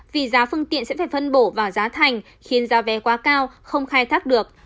vì giá phương tiện sẽ phải phân bổ vào giá thành khiến giá vé quá cao không khai thác được